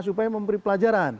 upaya memberi pelajaran